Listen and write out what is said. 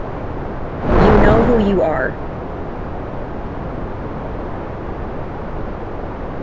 You know who you are.